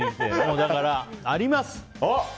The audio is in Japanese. だから、あります！